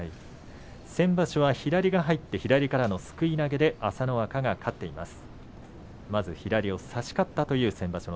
先場所は左が入って左からのすくい投げで朝乃若が勝っています。